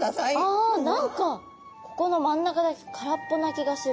ああ何かここの真ん中だけ空っぽな気がする。